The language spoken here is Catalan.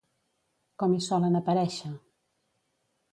Com hi solen aparèixer?